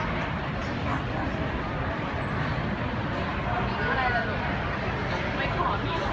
หลักหรือเปล่า